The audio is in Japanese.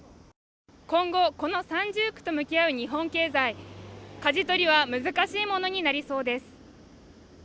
今後この三重苦と向き合う日本経済かじ取りは難しいものになりそうです